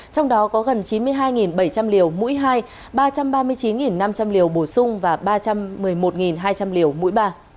trong đó có gần chín mươi hai bảy trăm linh liều mũi hai ba trăm ba mươi chín năm trăm linh liều bổ sung và ba trăm một mươi một hai trăm linh liều mũi ba